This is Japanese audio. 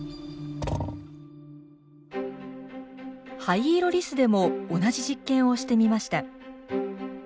ハイイロリスでも同じ実験をしてみました。